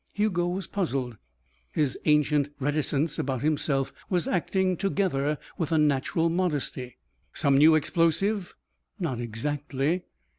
Hugo was puzzled. His ancient reticence about himself was acting together with a natural modesty. "Some new explosive?" "Not exactly."